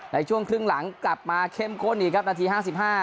ในช่วงครึ่งหลังกลับมาเข้มข้นอีกครับนาทีห้าสิบห้า